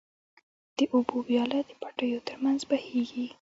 د اوبو وياله د پټيو تر منځ بهيږي.